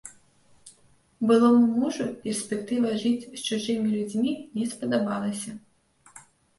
Былому мужу перспектыва жыць з чужымі людзьмі не спадабалася.